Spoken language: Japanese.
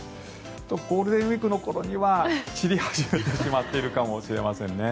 ゴールデンウィークの頃には散り始めてしまっているかもしれませんね。